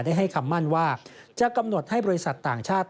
ได้ให้คำมั่นว่าจะกำหนดให้บริษัทต่างชาติ